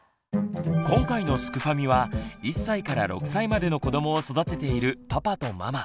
今回のすくファミは１歳から６歳までの子どもを育てているパパとママ。